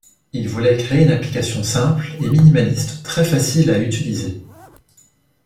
Ils voulaient créer une application simple et minimaliste très facile à utiliser.